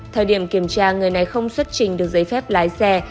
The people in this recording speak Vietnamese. thời điểm kiểm tra người này không xuất trình được giấy phép lái xe